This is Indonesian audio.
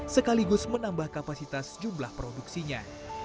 sekaligus menambah kapasitas jumlah produksinya